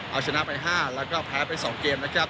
เอาชนะไป๕แล้วก็แพ้ไป๒เกม